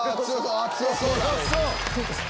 強そうだ！